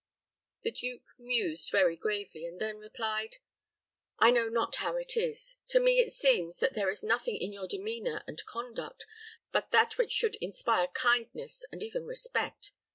The duke mused very gravely, and then replied, "I know not how it is. To me it seems that there is nothing in your demeanor and conduct but that which should inspire kindness, and even respect.